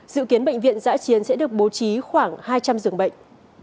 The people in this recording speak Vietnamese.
dự kiến bệnh viện giã chiến sẽ được bố trí khoảng hai trăm linh dường bệnh